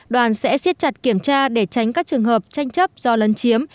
đoàn sẽ xiết chặt kiểm tra để tránh các trường hợp tranh chấp do lân chiếm